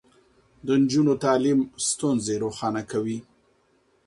د نجونو تعليم ستونزې روښانه کوي.